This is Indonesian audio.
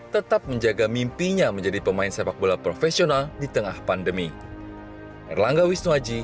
tetap menjaga mimpinya menjadi pemain sepak bola profesional di tengah pandemi